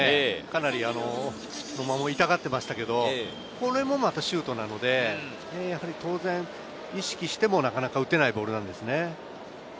かなり野間も痛がっていましたけれど、これもシュートなので、当然意識してもなかなか打てないボールなんですね。